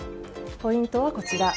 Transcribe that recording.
ポイントはこちら。